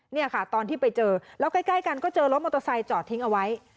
เนี่ยค่ะตอนที่ไปเจอแล้วใกล้กันก็เจอรถมอเตอร์ไซค์จอดทิ้งเอาไว้